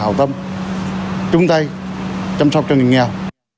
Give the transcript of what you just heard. tìm kiếm sự quan tâm trung tay chăm sóc cho người nghèo